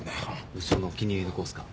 部長のお気に入りの子っすか？